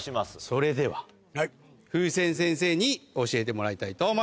それでは風船先生に教えてもらいたいと思います。